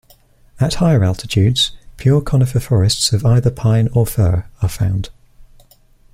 At higher altitudes, pure conifer forests of either pine or fir are found.